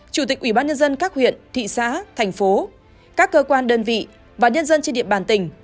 chủ tịch ủy ban nhân dân các huyện thị xã thành phố các cơ quan đơn vị và nhân dân trên địa bàn tỉnh